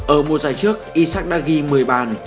ở một giải trước isaac đã ghi một mươi bàn